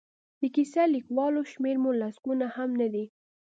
د کیسه لیکوالو شمېر مو لسګونه هم نه دی.